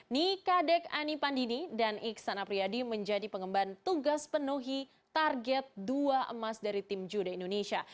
nikadek ani pandini dan iksan apriyadi menjadi pengemban tugas penuhi target dua emas dari tim jude indonesia